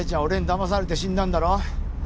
俺にだまされて死んだんだろ。